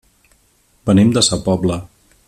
Venim de sa Pobla.